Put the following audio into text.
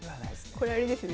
これあれですね